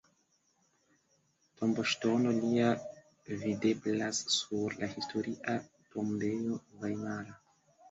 Tomboŝtono lia videblas sur la Historia tombejo vajmara.